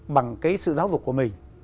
bằng sự giáo dục của mình